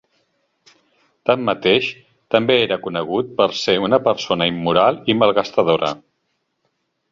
Tanmateix, també era conegut per ser una persona immoral i malgastadora.